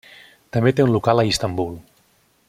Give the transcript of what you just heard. També té un local a Istanbul.